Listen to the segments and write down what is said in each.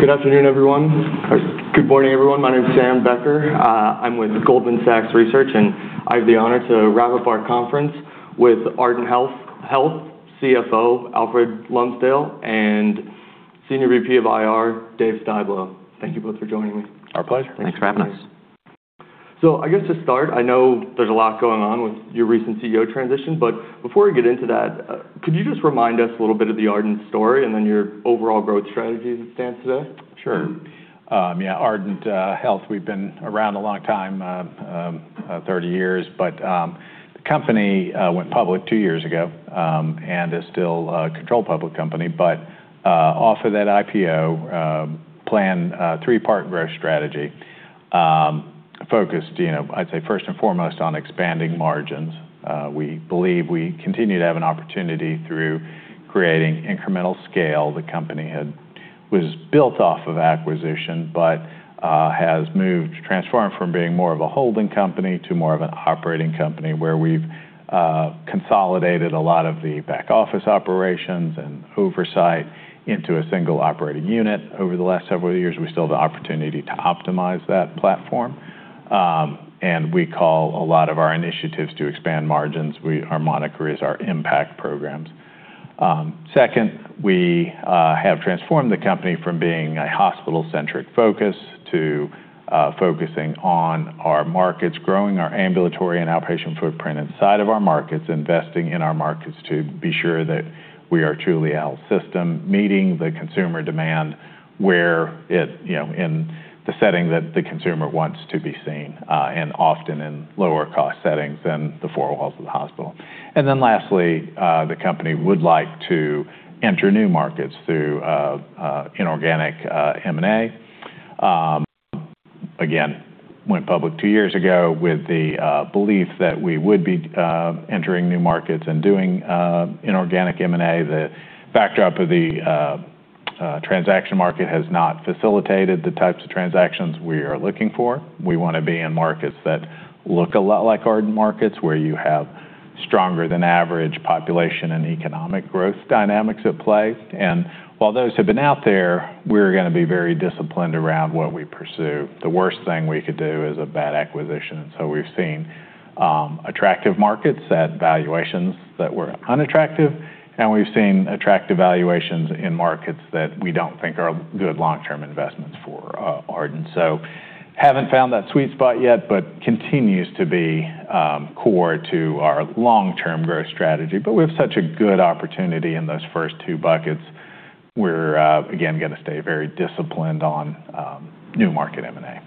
Good afternoon, everyone. Good morning, everyone. My name is Sam Becker. I'm with Goldman Sachs Research, and I have the honor to wrap up our conference with Ardent Health CFO, Alfred Lumsdaine, and Senior VP of IR, Dave Styblo. Thank you both for joining me. Our pleasure. Thanks for having us. I guess to start, I know there's a lot going on with your recent CEO transition, but before we get into that, could you just remind us a little bit of the Ardent story and then your overall growth strategy as it stands today? Sure. Yeah, Ardent Health, we've been around a long time, 30 years. The company went public two years ago and is still a controlled public company. Off of that IPO, plan three-part growth strategy, focused, I'd say first and foremost on expanding margins. We believe we continue to have an opportunity through creating incremental scale. The company was built off of acquisition, but has transformed from being more of a holding company to more of an operating company, where we've consolidated a lot of the back office operations and oversight into a single operating unit over the last several years. We still have the opportunity to optimize that platform. We call a lot of our initiatives to expand margins, our moniker is our IMPACT Program. Second, we have transformed the company from being a hospital-centric focus to focusing on our markets, growing our ambulatory and outpatient footprint inside of our markets, investing in our markets to be sure that we are truly a health system, meeting the consumer demand where it, in the setting that the consumer wants to be seen, and often in lower cost settings than the four walls of the hospital. Lastly, the company would like to enter new markets through inorganic M&A. Again, went public two years ago with the belief that we would be entering new markets and doing inorganic M&A. The backdrop of the transaction market has not facilitated the types of transactions we are looking for. We want to be in markets that look a lot like Ardent markets, where you have stronger than average population and economic growth dynamics at play. While those have been out there, we're going to be very disciplined around what we pursue. The worst thing we could do is a bad acquisition. We've seen attractive markets at valuations that were unattractive, and we've seen attractive valuations in markets that we don't think are good long-term investments for Ardent. Haven't found that sweet spot yet, but continues to be core to our long-term growth strategy. We have such a good opportunity in those first two buckets. We're, again, going to stay very disciplined on new market M&A.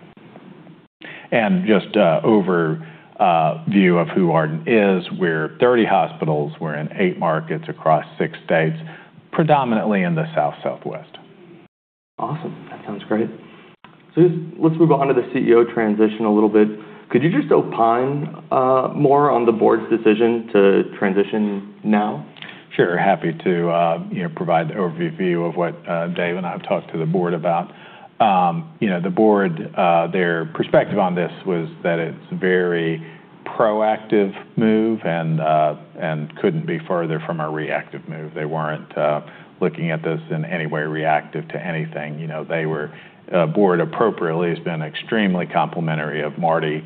Just overview of who Ardent is. We're 30 hospitals. We're in eight markets across six states, predominantly in the South, Southwest. Awesome. That sounds great. Just let's move on to the CEO transition a little bit. Could you just opine more on the board's decision to transition now? Sure. Happy to provide the overview of what Dave and I have talked to the board about. The board, their perspective on this was that it's very proactive move and couldn't be further from a reactive move. They weren't looking at this in any way reactive to anything. The board appropriately has been extremely complimentary of Marty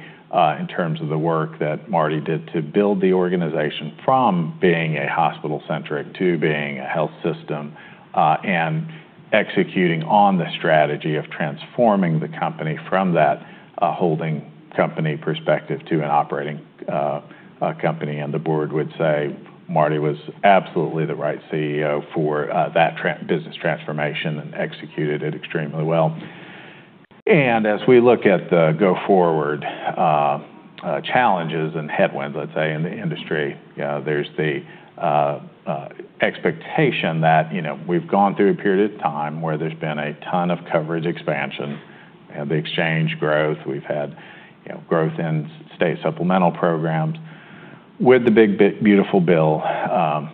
in terms of the work that Marty did to build the organization from being a hospital-centric to being a health system, executing on the strategy of transforming the company from that holding company perspective to an operating company. The board would say Marty was absolutely the right CEO for that business transformation and executed it extremely well. As we look at the go forward challenges and headwinds, let's say, in the industry, there's the expectation that we've gone through a period of time where there's been a ton of coverage expansion. We've had the exchange growth. We've had growth in state supplemental programs. With the big, beautiful bill,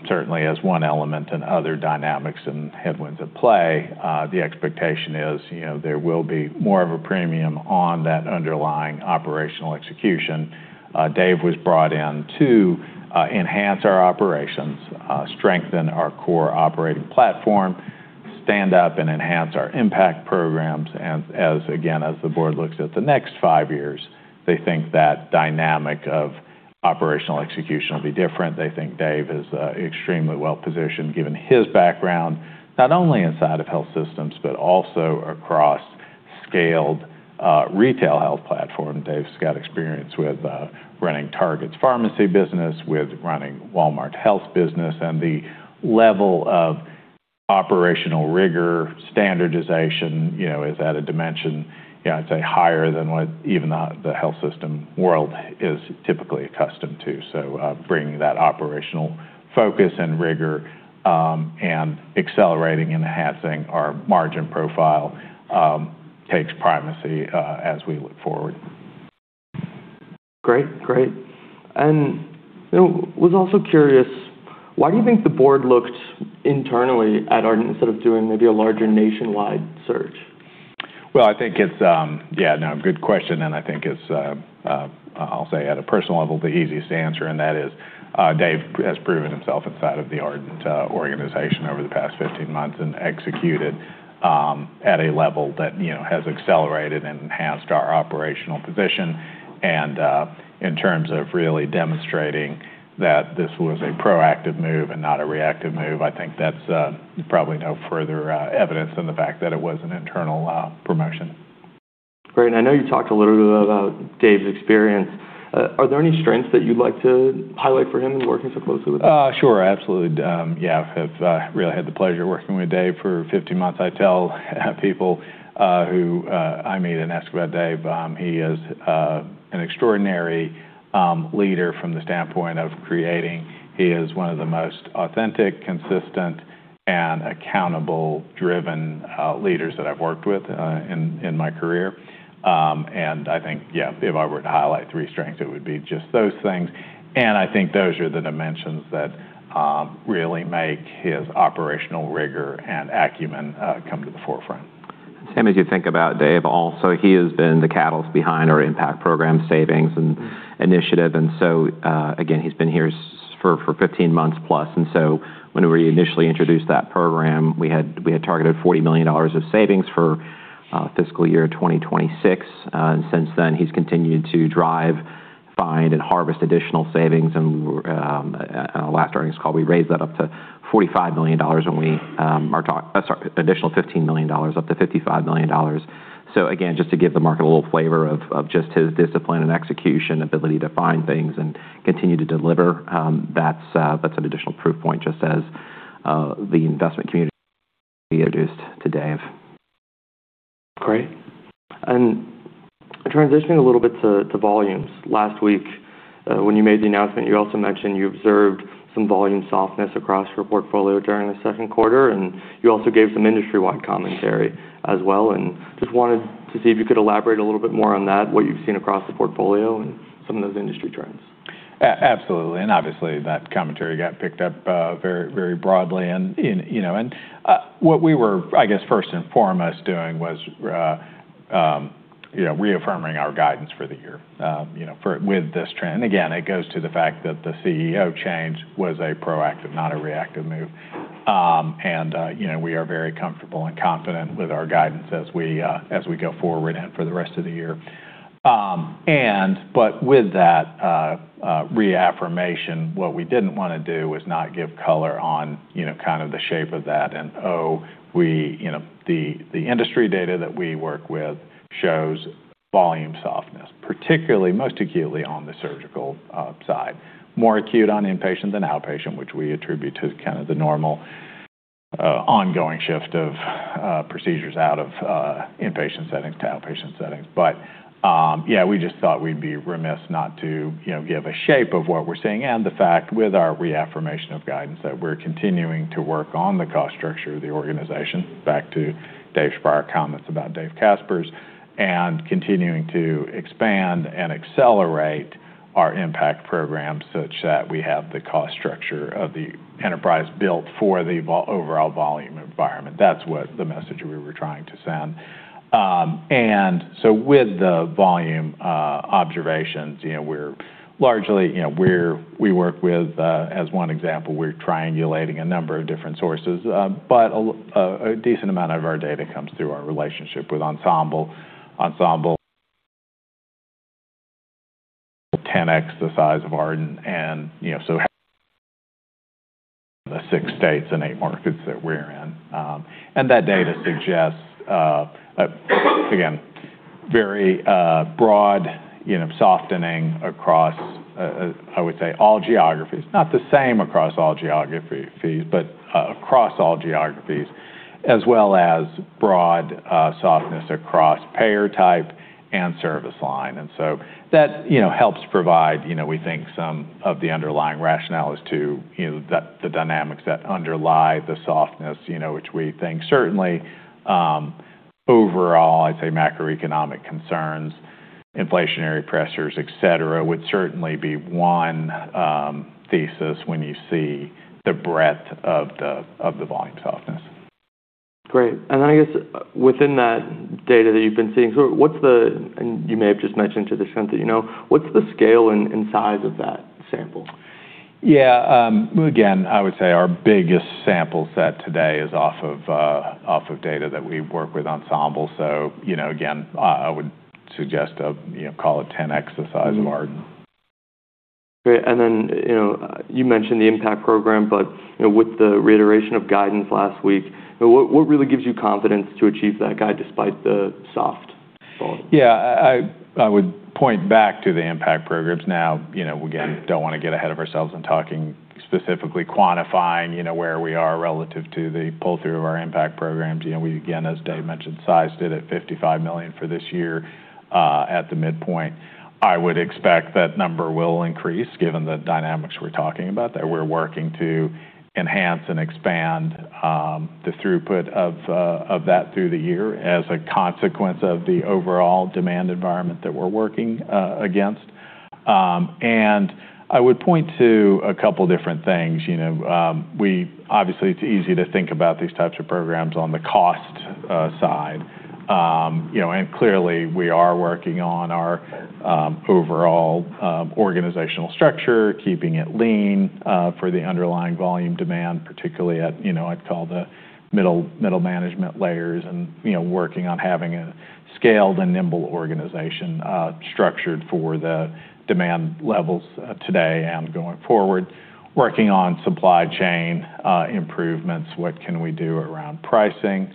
certainly as one element and other dynamics and headwinds at play, the expectation is there will be more of a premium on that underlying operational execution. Dave was brought in to enhance our operations, strengthen our core operating platform, stand up and enhance our IMPACT Programs. As the board looks at the next five years, they think that dynamic of operational execution will be different. They think Dave is extremely well-positioned, given his background, not only inside of health systems, but also across scaled retail health platform. Dave's got experience with running Target's pharmacy business, with running Walmart health business, and the level of operational rigor, standardization, is at a dimension, I'd say higher than what even the health system world is typically accustomed to. Bringing that operational focus and rigor, and accelerating, enhancing our margin profile takes primacy as we look forward. Great. Was also curious, why do you think the board looked internally at Ardent instead of doing maybe a larger nationwide search? Well, I think it's a good question. I think it's, I'll say at a personal level, the easiest answer, and that is Dave has proven himself inside of the Ardent organization over the past 15 months and executed at a level that has accelerated and enhanced our operational position. In terms of really demonstrating that this was a proactive move and not a reactive move, I think that's probably no further evidence than the fact that it was an internal promotion. Great. I know you talked a little bit about Dave's experience. Are there any strengths that you'd like to highlight for him in working so closely with him? Sure, absolutely. Yeah, I've really had the pleasure of working with Dave for 15 months. I tell people who I meet and ask about Dave, he is an extraordinary leader from the standpoint of creating. He is one of the most authentic, consistent, and accountable, driven leaders that I've worked with in my career. I think, yeah, if I were to highlight three strengths, it would be just those things, and I think those are the dimensions that really make his operational rigor and acumen come to the forefront. Sam, as you think about Dave also, he has been the catalyst behind our IMPACT Program savings and initiative. Again, he's been here for 15 months plus. When we initially introduced that program, we had targeted $40 million of savings for fiscal year 2026. Since then, he's continued to drive, find, and harvest additional savings, and on our last earnings call, we raised that up to $45 million. I'm sorry, additional $15 million up to $55 million. Again, just to give the market a little flavor of just his discipline and execution ability to find things and continue to deliver, that's an additional proof point, just as the investment community introduced to Dave. Great. Transitioning a little bit to volumes. Last week, when you made the announcement, you also mentioned you observed some volume softness across your portfolio during the second quarter, and you also gave some industry-wide commentary as well. Just wanted to see if you could elaborate a little bit more on that, what you've seen across the portfolio and some of those industry trends. Absolutely. Obviously, that commentary got picked up very broadly. What we were, I guess, first and foremost doing was reaffirming our guidance for the year with this trend. Again, it goes to the fact that the CEO change was a proactive, not a reactive move. We are very comfortable and confident with our guidance as we go forward and for the rest of the year. With that reaffirmation, what we didn't want to do was not give color on kind of the shape of that. The industry data that we work with shows volume softness, particularly, most acutely on the surgical side, more acute on inpatient than outpatient, which we attribute to kind of the normal ongoing shift of procedures out of inpatient settings to outpatient settings. Yeah, we just thought we'd be remiss not to give a shape of what we're seeing and the fact with our reaffirmation of guidance that we're continuing to work on the cost structure of the organization, back to Dave Styblo comments about Dave Casper, and continuing to expand and accelerate our IMPACT Program such that we have the cost structure of the enterprise built for the overall volume environment. That's what the message we were trying to send. With the volume observations, largely, we work with, as one example, we're triangulating a number of different sources. A decent amount of our data comes through our relationship with Ensemble. Ensemble, 10x the size of Ardent, the six states and eight markets that we're in. That data suggests, again, very broad softening across, I would say, all geographies. Not the same across all geographies, across all geographies, as well as broad softness across payer type and service line. That helps provide, we think, some of the underlying rationales to the dynamics that underlie the softness, which we think certainly, overall, I'd say macroeconomic concerns, inflationary pressures, et cetera, would certainly be one thesis when you see the breadth of the volume softness. I guess within that data that you've been seeing, and you may have just mentioned to the extent that you know, what's the scale and size of that sample? Yeah. Again, I would say our biggest sample set today is off of data that we work with Ensemble. Again, I would suggest, call it 10x the size of Ardent. Then, you mentioned the IMPACT Program, but with the reiteration of guidance last week, what really gives you confidence to achieve that guide despite the soft volume? Yeah. I would point back to the IMPACT programs now. Again, don't want to get ahead of ourselves in talking specifically quantifying where we are relative to the pull-through of our IMPACT programs. We, again, as Dave mentioned, sized it at $55 million for this year at the midpoint. I would expect that number will increase given the dynamics we're talking about, that we're working to enhance and expand the throughput of that through the year as a consequence of the overall demand environment that we're working against. I would point to a couple different things. Obviously, it's easy to think about these types of programs on the cost side. Clearly, we are working on our overall organizational structure, keeping it lean for the underlying volume demand, particularly at, I'd call the middle management layers and working on having a scaled and nimble organization structured for the demand levels today and going forward, working on supply chain improvements. What can we do around pricing,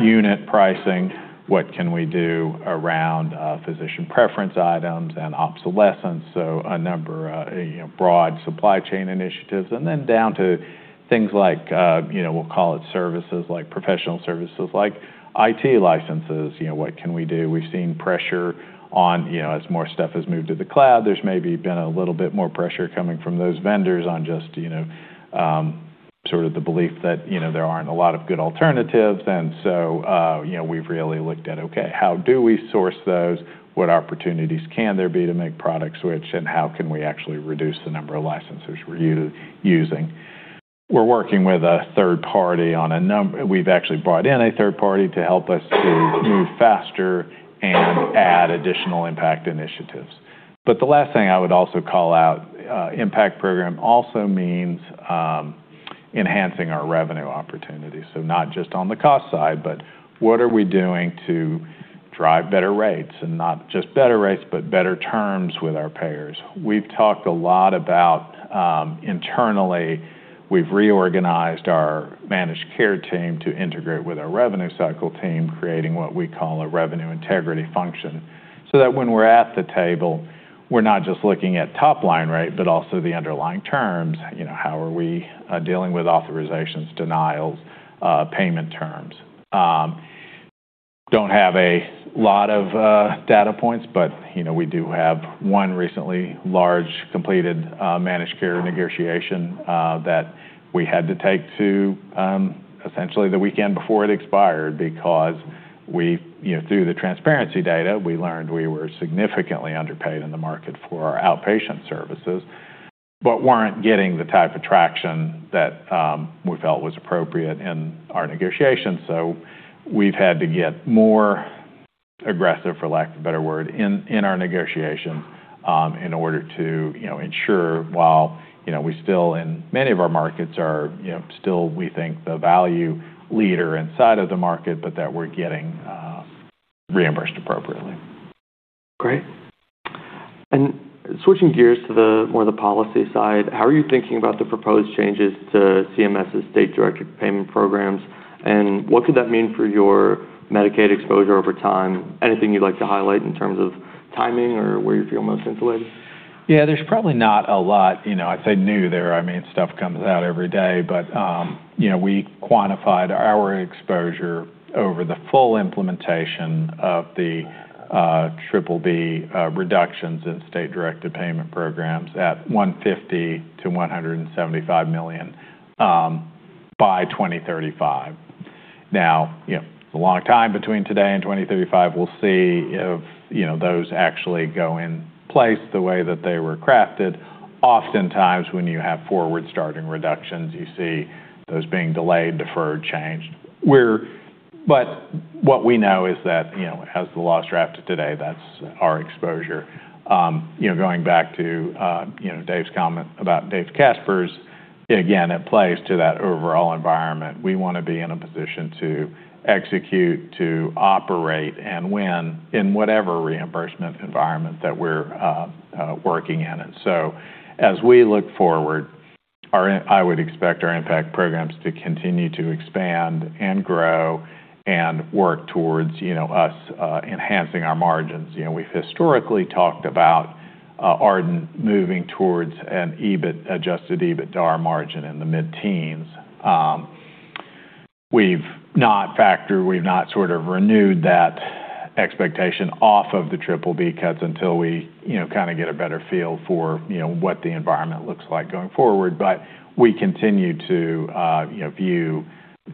unit pricing? What can we do around physician preference items and obsolescence? Broad supply chain initiatives. Then down to things like, we'll call it services, like professional services, like IT licenses. What can we do? We've seen pressure on, as more stuff has moved to the cloud, there's maybe been a little bit more pressure coming from those vendors on just sort of the belief that there aren't a lot of good alternatives. We've really looked at, okay, how do we source those? What opportunities can there be to make product switch, and how can we actually reduce the number of licenses we're using? We've actually brought in a third party to help us to move faster and add additional IMPACT initiatives. The last thing I would also call out, IMPACT Program also means enhancing our revenue opportunities. Not just on the cost side, but what are we doing to drive better rates? Not just better rates, but better terms with our payers. We've talked a lot about, internally, we've reorganized our managed care team to integrate with our revenue cycle team, creating what we call a revenue integrity function, so that when we're at the table, we're not just looking at top line rate, but also the underlying terms. How are we dealing with authorizations, denials, payment terms? Don't have a lot of data points, but we do have one recently large completed managed care negotiation that we had to take to essentially the weekend before it expired because through the transparency data, we learned we were significantly underpaid in the market for our outpatient services, but weren't getting the type of traction that we felt was appropriate in our negotiations. We've had to get more aggressive, for lack of a better word, in our negotiations, in order to ensure while we still, in many of our markets are still, we think, the value leader inside of the market, but that we're getting reimbursed appropriately. Great. Switching gears to more the policy side, how are you thinking about the proposed changes to CMS's state directed payment programs, and what could that mean for your Medicaid exposure over time? Anything you'd like to highlight in terms of timing or where you feel most insulated? Yeah, there's probably not a lot, I'd say new there. Stuff comes out every day. We quantified our exposure over the full implementation of the triple B reductions in state directed payment programs at $150 million-$175 million by 2035. It's a long time between today and 2035. We'll see if those actually go in place the way that they were crafted. Oftentimes, when you have forward-starting reductions, you see those being delayed, deferred, changed. What we know is that, as the law's drafted today, that's our exposure. Going back to Dave's comment about Dave Caspers, again, it plays to that overall environment. We want to be in a position to execute, to operate, and win in whatever reimbursement environment that we're working in. As we look forward, I would expect our IMPACT programs to continue to expand and grow and work towards us enhancing our margins. We've historically talked about Ardent moving towards an adjusted EBITDA margin in the mid-teens. We've not factored, we've not sort of renewed that expectation off of the triple B cuts until we kind of get a better feel for what the environment looks like going forward. We continue to view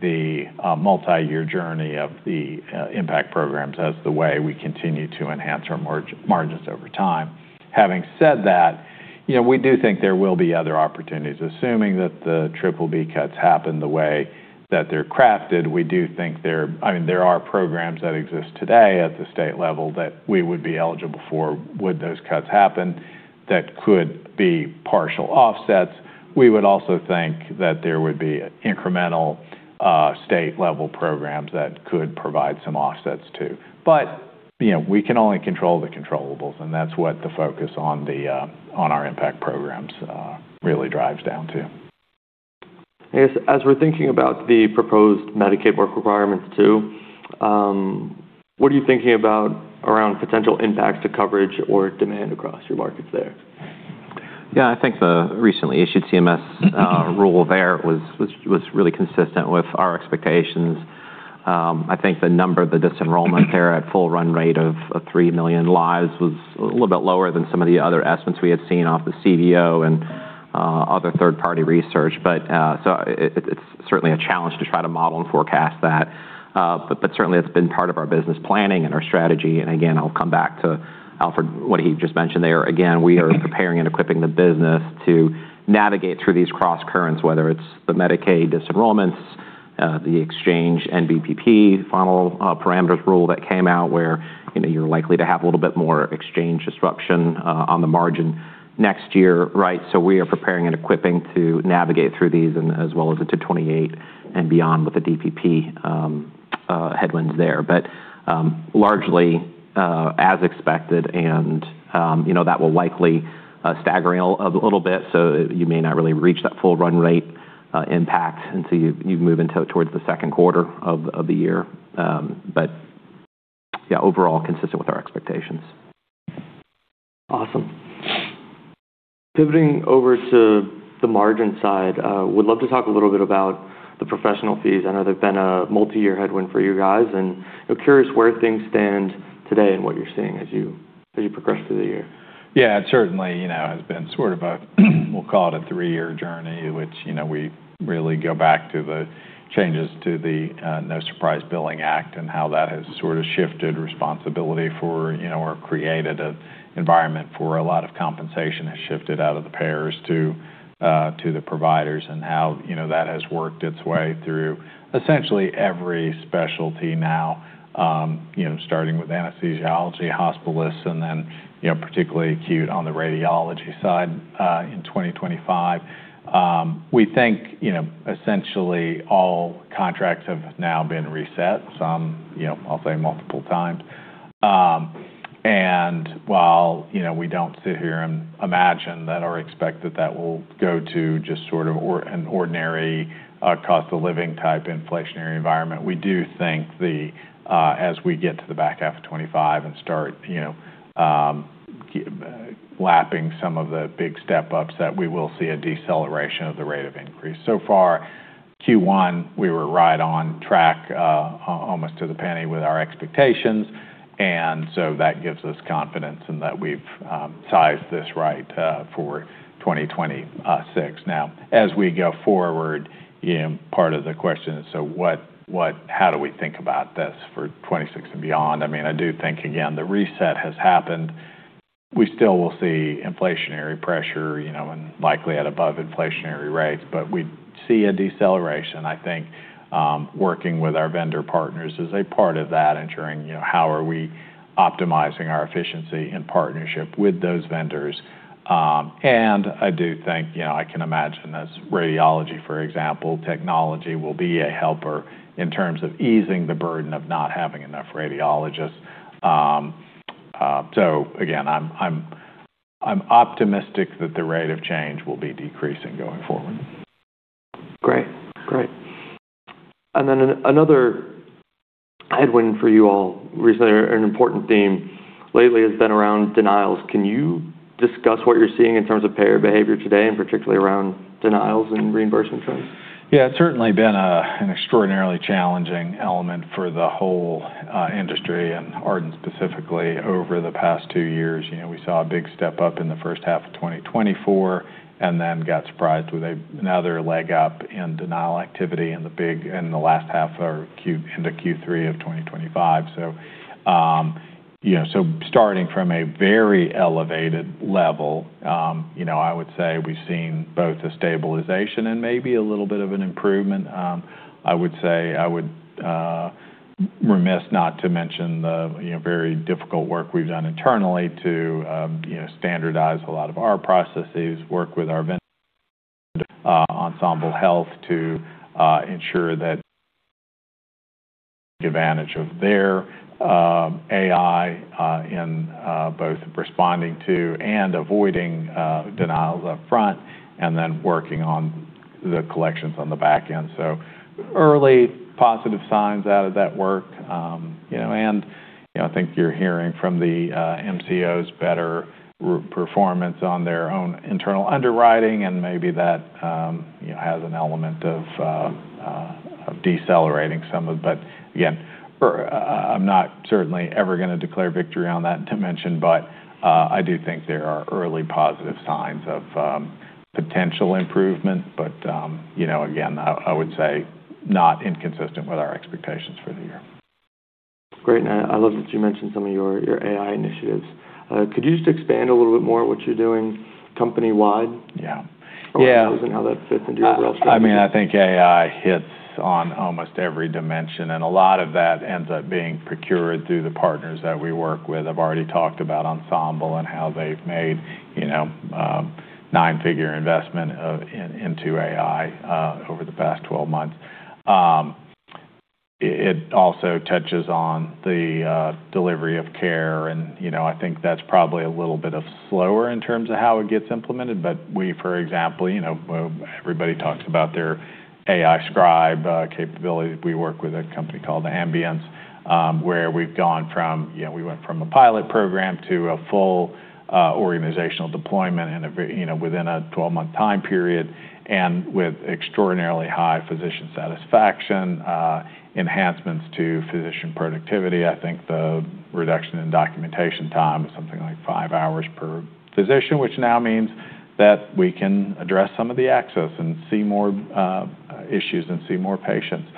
the multi-year journey of the IMPACT programs as the way we continue to enhance our margins over time. Having said that, we do think there will be other opportunities. Assuming that the triple B cuts happen the way that they're crafted, we do think there are programs that exist today at the state level that we would be eligible for would those cuts happen that could be partial offsets. We would also think that there would be incremental state-level programs that could provide some offsets, too. We can only control the controllables, and that's what the focus on our IMPACT programs really drives down to. As we're thinking about the proposed Medicaid work requirements too, what are you thinking about around potential impact to coverage or demand across your markets there? The recently issued CMS rule there was really consistent with our expectations. The number, the disenrollment there at full run rate of 3 million lives was a little bit lower than some of the other estimates we had seen off the CBO and other third-party research. It's certainly a challenge to try to model and forecast that. Certainly, it's been part of our business planning and our strategy. I'll come back to Alfred, what he just mentioned there. We are preparing and equipping the business to navigate through these crosscurrents, whether it's the Medicaid disenrollments, the exchange NBPP, final parameters rule that came out, where you're likely to have a little bit more exchange disruption on the margin next year. We are preparing and equipping to navigate through these and as well as into 2028 and beyond with the DPP headwinds there. Largely, as expected and that will likely stagger a little bit, so you may not really reach that full run rate impact until you move towards the second quarter of the year. Overall, consistent with our expectations. Awesome. Pivoting over to the margin side, would love to talk a little bit about the professional fees. I know they've been a multi-year headwind for you guys, and I'm curious where things stand today and what you're seeing as you progress through the year. It certainly has been sort of a we'll call it a three-year journey, which we really go back to the changes to the No Surprises Act and how that has sort of shifted responsibility for, or created an environment for a lot of compensation has shifted out of the payers to the providers and how that has worked its way through essentially every specialty now, starting with anesthesiology, hospitalists, and then particularly acute on the radiology side in 2025. We think essentially all contracts have now been reset, some, I'll say multiple times. While we don't sit here and imagine that or expect that that will go to just sort of an ordinary cost-of-living type inflationary environment, we do think as we get to the back half of 2025 and start lapping some of the big step-ups, that we will see a deceleration of the rate of increase. So far, Q1, we were right on track almost to the penny with our expectations. That gives us confidence in that we've sized this right for 2026. As we go forward, part of the question is, how do we think about this for 2026 and beyond? I do think, again, the reset has happened. We still will see inflationary pressure, and likely at above inflationary rates, we see a deceleration. I think working with our vendor partners is a part of that, ensuring how are we optimizing our efficiency in partnership with those vendors. I do think, I can imagine as radiology, for example, technology will be a helper in terms of easing the burden of not having enough radiologists. Again, I'm optimistic that the rate of change will be decreasing going forward. Great. Another headwind for you all recently, or an important theme lately has been around denials. Can you discuss what you're seeing in terms of payer behavior today, and particularly around denials and reimbursement trends? It's certainly been an extraordinarily challenging element for the whole industry, Ardent specifically, over the past two years. We saw a big step-up in the first half of 2024, got surprised with another leg up in denial activity in the last half or into Q3 of 2025. Starting from a very elevated level, I would say we've seen both a stabilization and maybe a little bit of an improvement. I would say, I would remiss not to mention the very difficult work we've done internally to standardize a lot of our processes, work with our vendor, Ensemble Health, to ensure that advantage of their AI in both responding to and avoiding denials up front, working on the collections on the back end. Early positive signs out of that work, and I think you're hearing from the MCOs better performance on their own internal underwriting, and maybe that has an element. Again, I'm not certainly ever going to declare victory on that dimension, but I do think there are early positive signs of potential improvement. Again, I would say not inconsistent with our expectations for the year. Great, I love that you mentioned some of your AI initiatives. Could you just expand a little bit more what you're doing company-wide? Yeah. How that fits into your overall strategy? I think AI hits on almost every dimension, and a lot of that ends up being procured through the partners that we work with. I've already talked about Ensemble and how they've made nine-figure investment into AI over the past 12 months. It also touches on the delivery of care, and I think that's probably a little bit of slower in terms of how it gets implemented. We, for example, everybody talks about their AI scribe capability. We work with a company called Ambience, where we went from a pilot program to a full organizational deployment within a 12-month time period, and with extraordinarily high physician satisfaction, enhancements to physician productivity. I think the reduction in documentation time is something like five hours per physician, which now means that we can address some of the access and see more issues and see more patients.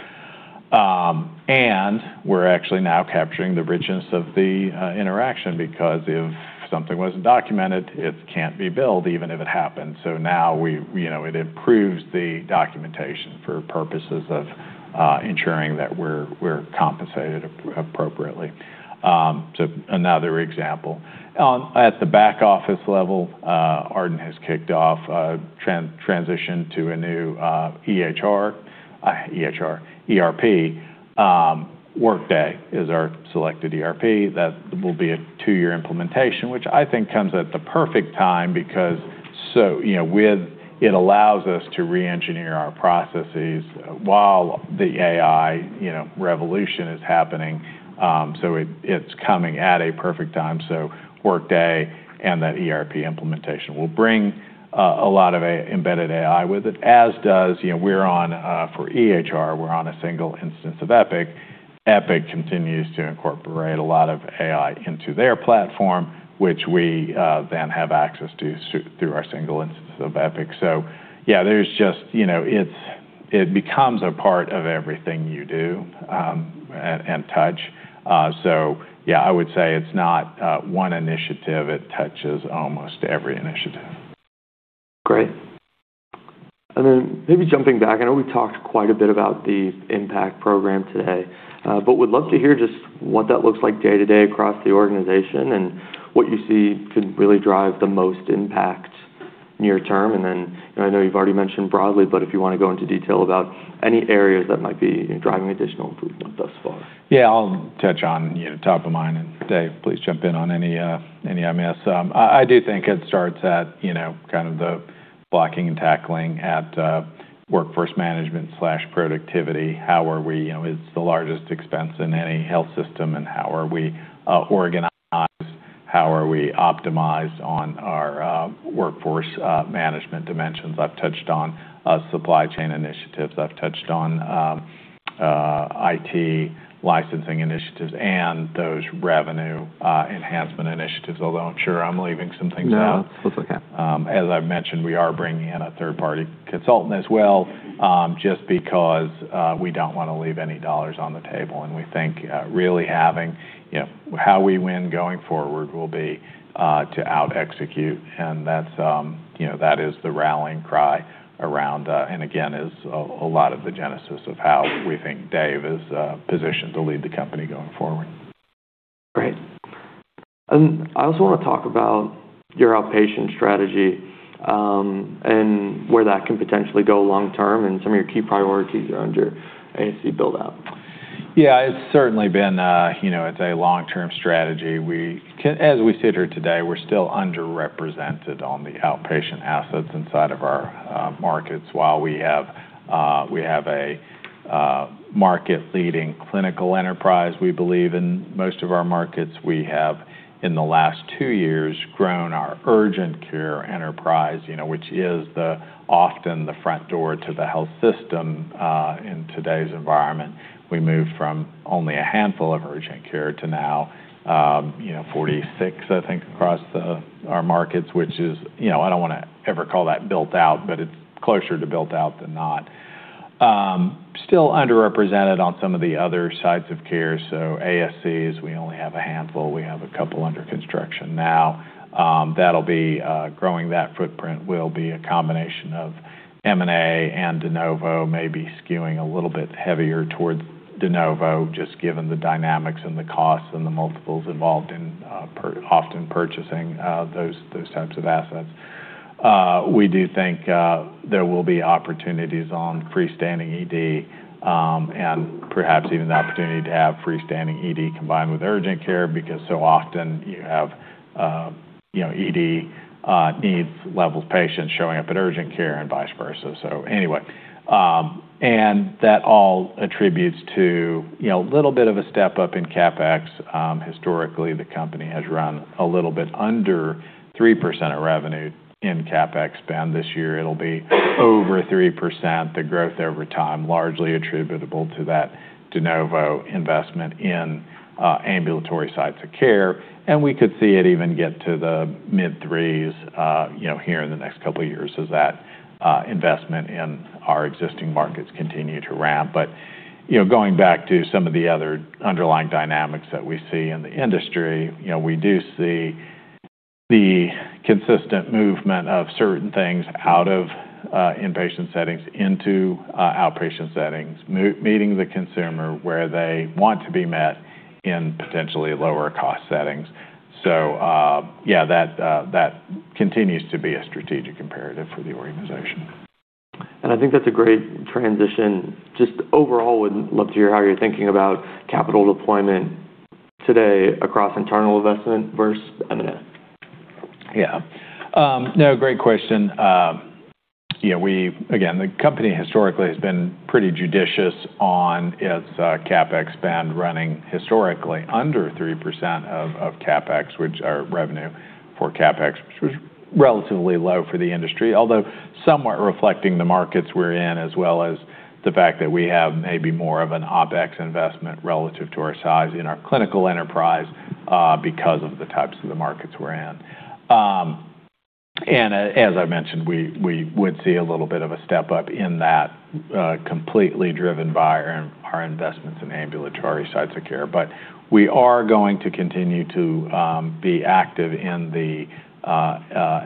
We're actually now capturing the richness of the interaction because if something wasn't documented, it can't be billed even if it happened. Now it improves the documentation for purposes of ensuring that we're compensated appropriately. Another example. At the back-office level, Ardent has kicked off a transition to a new EHR, ERP. Workday is our selected ERP. That will be a two-year implementation, which I think comes at the perfect time because it allows us to re-engineer our processes while the AI revolution is happening. It's coming at a perfect time. Workday and that ERP implementation will bring a lot of embedded AI with it, as does, for EHR, we're on a single instance of Epic. Epic continues to incorporate a lot of AI into their platform, which we then have access to through our single instance of Epic. Yeah, it becomes a part of everything you do and touch. Yeah, I would say it's not one initiative. It touches almost every initiative. Great. Maybe jumping back, I know we've talked quite a bit about the IMPACT Program today, but would love to hear just what that looks like day-to-day across the organization, what you see could really drive the most impact near term. I know you've already mentioned broadly, but if you want to go into detail about any areas that might be driving additional improvement thus far. Yeah, I'll touch on top of mind, Dave, please jump in on any I miss. I do think it starts at kind of the blocking and tackling at workforce management/productivity. It's the largest expense in any health system, how are we organized? How are we optimized on our workforce management dimensions? I've touched on supply chain initiatives. I've touched on IT licensing initiatives and those revenue enhancement initiatives, although I'm sure I'm leaving some things out. No, it's okay. As I've mentioned, we are bringing in a third-party consultant as well, just because we don't want to leave any dollars on the table. We think really having how we win going forward will be to out-execute, and that is the rallying cry around, and again, is a lot of the genesis of how we think Dave is positioned to lead the company going forward. Great. I also want to talk about your outpatient strategy, and where that can potentially go long term, and some of your key priorities around your ASC build-out. Yeah, it's certainly been a long-term strategy. As we sit here today, we're still underrepresented on the outpatient assets inside of our markets. While we have a market-leading clinical enterprise, we believe in most of our markets. We have, in the last two years, grown our urgent care enterprise which is often the front door to the health system in today's environment. We moved from only a handful of urgent care to now 46, I think, across our markets, which is, I don't want to ever call that built-out, but it's closer to built-out than not. Still underrepresented on some of the other sites of care. So ASCs, we only have a handful. We have a couple under construction now. Growing that footprint will be a combination of M&A and de novo, maybe skewing a little bit heavier towards de novo, just given the dynamics and the costs and the multiples involved in often purchasing those types of assets. We do think there will be opportunities on freestanding ED, and perhaps even the opportunity to have freestanding ED combined with urgent care, because so often you have ED needs level patients showing up at urgent care and vice versa. Anyway. That all attributes to a little bit of a step-up in CapEx. Historically, the company has run a little bit under 3% of revenue in CapEx spend. This year, it will be over 3%, the growth over time largely attributable to that de novo investment in ambulatory sites of care. We could see it even get to the mid-threes here in the next couple of years as that investment in our existing markets continue to ramp. Going back to some of the other underlying dynamics that we see in the industry, we do see the consistent movement of certain things out of inpatient settings into outpatient settings, meeting the consumer where they want to be met in potentially lower cost settings. Yeah, that continues to be a strategic imperative for the organization. I think that's a great transition. Just overall, would love to hear how you're thinking about capital deployment today across internal investment versus M&A. Yeah. No, great question. Again, the company historically has been pretty judicious on its CapEx spend, running historically under 3% of CapEx, which our revenue for CapEx, which was relatively low for the industry, although somewhat reflecting the markets we are in, as well as the fact that we have maybe more of an OpEx investment relative to our size in our clinical enterprise because of the types of the markets we are in. As I mentioned, we would see a little bit of a step-up in that completely driven by our investments in ambulatory sites of care. We are going to continue to be active in the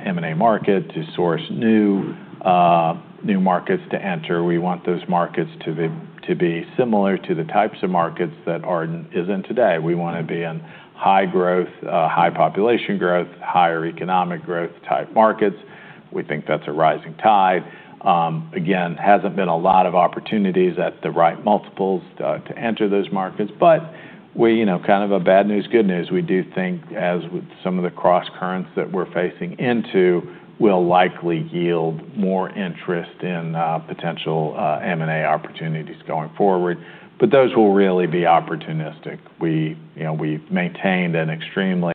M&A market to source new markets to enter. We want those markets to be similar to the types of markets that Ardent is in today. We want to be in high growth, high population growth, higher economic growth type markets. We think that's a rising tide. hasn't been a lot of opportunities at the right multiples to enter those markets. kind of a bad news, good news, we do think, as with some of the crosscurrents that we're facing into, will likely yield more interest in potential M&A opportunities going forward. Those will really be opportunistic. We've maintained an extremely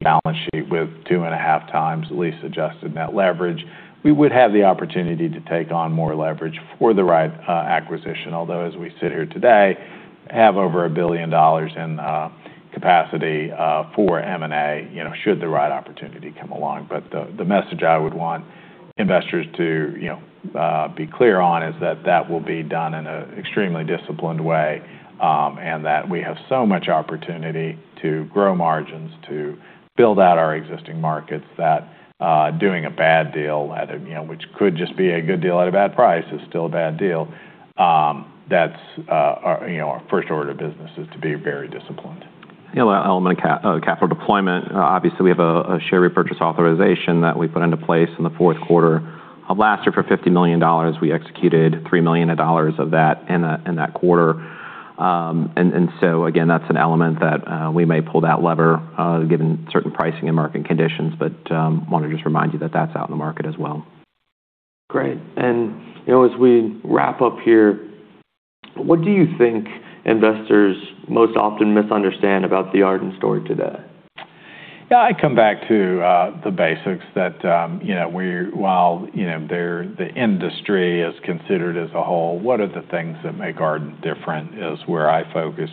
balance sheet with 2.5 times lease-adjusted net leverage. We would have the opportunity to take on more leverage for the right acquisition. Although, as we sit here today, have over $1 billion in capacity for M&A, should the right opportunity come along. The message I would want investors to be clear on is that will be done in an extremely disciplined way, and that we have so much opportunity to grow margins, to build out our existing markets, that doing a bad deal, which could just be a good deal at a bad price, is still a bad deal. Our first order of business is to be very disciplined. The element of capital deployment, obviously, we have a share repurchase authorization that we put into place in the fourth quarter of last year for $50 million. We executed $3 million of that in that quarter. again, that's an element that we may pull that lever, given certain pricing and market conditions. want to just remind you that that's out in the market as well. Great. as we wrap up here, what do you think investors most often misunderstand about the Ardent story today? Yeah. I come back to the basics that while the industry is considered as a whole, what are the things that make Ardent different, is where I focus.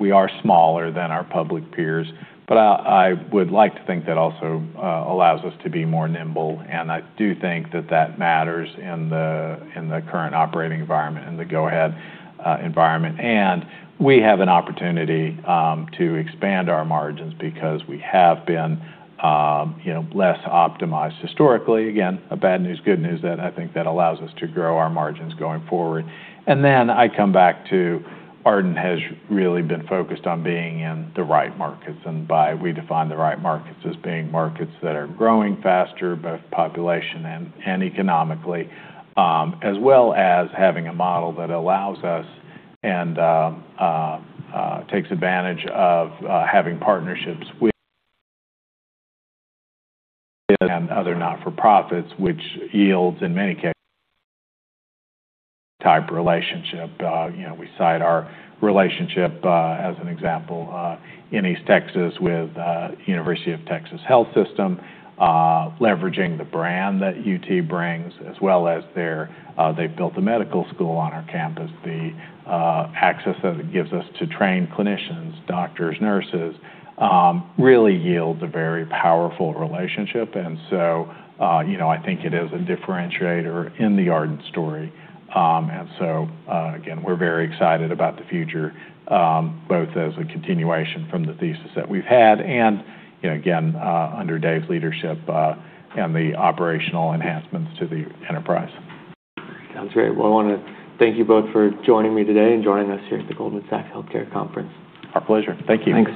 We are smaller than our public peers, but I would like to think that also allows us to be more nimble, and I do think that that matters in the current operating environment, in the go-ahead environment. We have an opportunity to expand our margins because we have been less optimized historically. Again, a bad news, good news, that I think that allows us to grow our margins going forward. I come back to Ardent has really been focused on being in the right markets, and we define the right markets as being markets that are growing faster, both population and economically, as well as having a model that allows us and takes advantage of having partnerships with and other not-for-profits, which yields, in many cases, type relationship. We cite our relationship as an example in East Texas with University of Texas Health System, leveraging the brand that UT brings, as well as they've built a medical school on our campus. The access that it gives us to train clinicians, doctors, nurses, really yields a very powerful relationship. I think it is a differentiator in the Ardent story. Again, we're very excited about the future, both as a continuation from the thesis that we've had and, again, under Dave's leadership and the operational enhancements to the enterprise. Sounds great. I want to thank you both for joining me today and joining us here at the Goldman Sachs Healthcare Conference. Our pleasure. Thank you. Thanks.